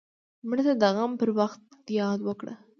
مړه ته د غم پر وخت یاد وکړه